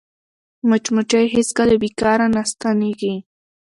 مچمچۍ هېڅکله بیکاره نه ناستېږي